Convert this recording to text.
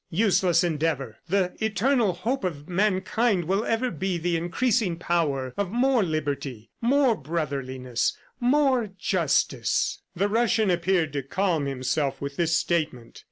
Useless endeavor! The eternal hope of mankind will ever be the increasing power of more liberty, more brotherliness, more justice." The Russian appeared to calm himself with this statement.